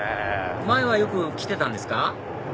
前はよく来てたんですか？